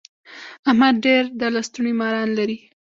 احمد ډېر د لستوڼي ماران لري.